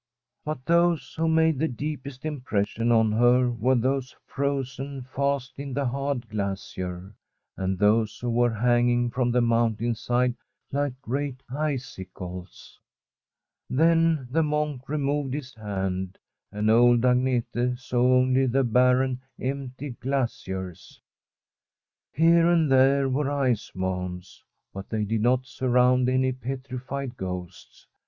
But those who made the deepest impression on her were those frozen fast in the hard glacier, and those who were hanging from the mountain side like great icicles. Then the monk removed his hand, and old Agnete saw only the barren, empty glaciers. l22Sl Fr$m a SWEDISH HOMESTEAD Here and there were ice mounds, but they did not surround any petrified ghosts.